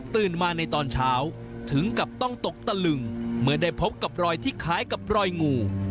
มาในตอนเช้าถึงกับต้องตกตะลึงเมื่อได้พบกับรอยที่คล้ายกับรอยงู